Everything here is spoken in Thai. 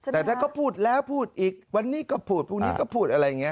แต่ถ้าเขาพูดแล้วพูดอีกวันนี้ก็พูดพรุ่งนี้ก็พูดอะไรอย่างนี้